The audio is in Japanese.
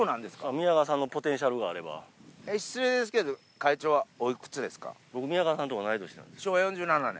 宮川さんのポテンシャルがあ失礼ですけど、会長はおいく僕、昭和４７年？